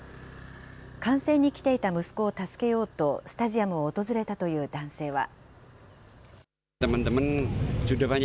観戦に来ていた息子を助けようとスタジアムを訪れたという男性は。